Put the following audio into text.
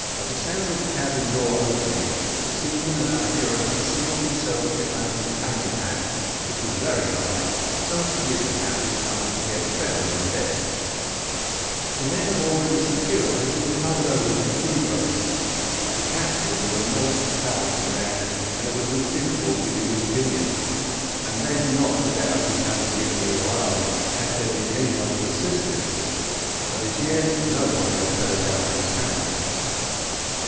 At the sound of the cabin door opening, the seamen and our hero concealed themselves behind the companion hatch, which was very high, so as to give the captain time to get fairly on deck. The men already secured had been covered over with the gregos. The captain was a most powerful man, and it was with difficulty that he was pinioned, and then without his giving the alarm, had there been anyone to assist him, but as yet no one had turned out of his hammock.